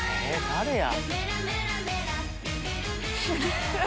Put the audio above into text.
誰や！